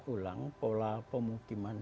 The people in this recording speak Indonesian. ulang pola pemukiman